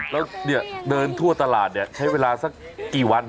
แล้วเดี๋ยวเดินทั่วตลาดเนี่ยใช้เวลาสักกี่วันค่ะ